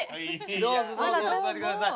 どうぞどうぞお座りください。